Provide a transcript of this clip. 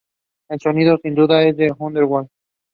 There are also large forests.